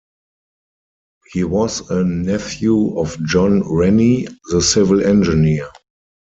He was a nephew of John Rennie, the civil engineer.